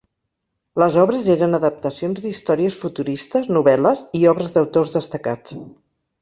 Les obres eren adaptacions d'històries futuristes, novel·les i obres d'autors destacats.